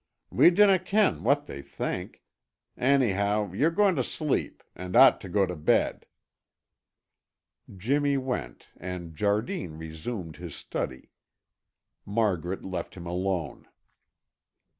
We dinna ken what they think. Anyhow, ye're going to sleep and ought to go to bed." Jimmy went and Jardine resumed his study. Margaret left him alone.